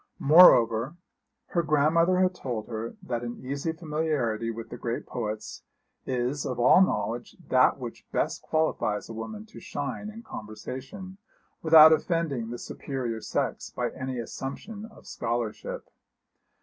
Moreover, her grandmother had told her that an easy familiarity with the great poets is of all knowledge that which best qualifies a woman to shine in conversation, without offending the superior sex by any assumption of scholarship.